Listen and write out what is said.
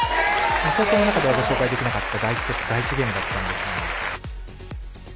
放送の中ではご紹介できなかった第１セット第１ゲームだったんですが。